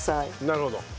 なるほど。